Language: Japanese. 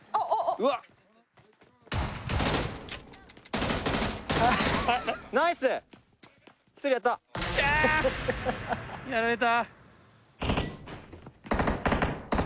うわぁやられた！